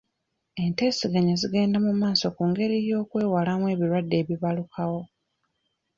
Enteesaganya zigenda mu maaso ku ngeri y'okwewalamu ebirwadde ebibalukawo.